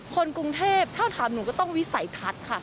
คนกรุงเทพถ้าถามหนูก็ต้องวิสัยทัศน์ค่ะ